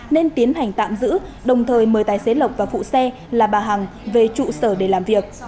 nên tiến hành tạm giữ đồng thời mời tài xế lộc và phụ xe là bà hằng về trụ sở để làm việc